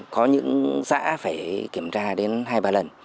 có những xã phải kiểm tra đến hai ba lần